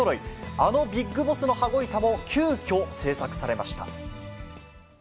あのビッグボスの羽子板も急きょ制作されました。